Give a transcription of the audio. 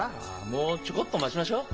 もうちょごっと待ちましょう。